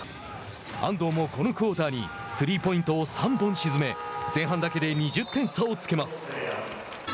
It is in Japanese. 安藤も、このクオーターにスリーポイントを３本沈め前半だけで２０点差をつけます。